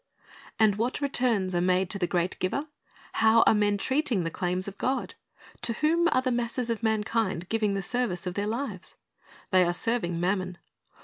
And what returns are made to the great Giver? How are men treating the claims of God? To whom are the masses of mankind giving the service of their lives ? They are serving mammon.